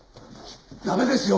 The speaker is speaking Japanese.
駄目ですよ！